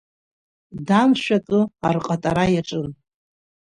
Дамшә акы арҟатара иаҿын.